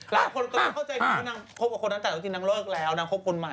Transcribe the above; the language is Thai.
หลายคนเข้าใจว่านางคบกับคนต่างจากที่นางเลิกแล้วนะ